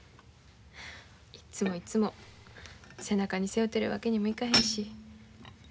いつもいつも背中に背負ってるわけにもいかへんし。